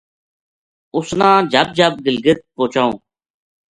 اس نا جھب جھب گلگلت پوہچاؤں